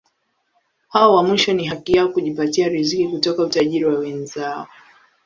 Hao wa mwisho ni haki yao kujipatia riziki kutoka utajiri wa wenzao.